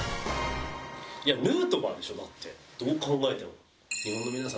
いやヌートバーでしょだってどう考えても。